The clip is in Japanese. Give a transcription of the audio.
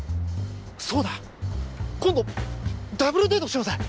そうだ今度ダブルデートしようぜ！